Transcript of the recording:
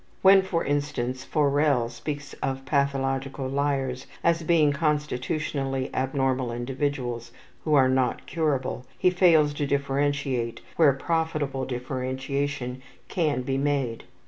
When, for instance, Forel speaks of pathological liars as being constitutionally abnormal individuals who are not curable, he fails to differentiate where profitable differentiation can be made.